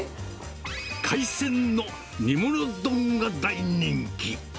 海鮮のにもの丼が大人気。